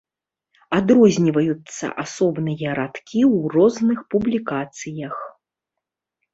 Адрозніваюцца асобныя радкі ў розных публікацыях.